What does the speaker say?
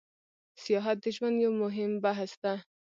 سیاحت د ژوند یو موهیم بحث ده